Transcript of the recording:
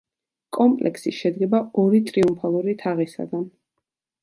კომპლექსი შედგება ორი ტრიუმფალური თაღისაგან.